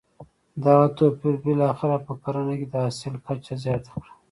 دغه توپیر بالاخره په کرنه کې د حاصل کچه زیانه کړه.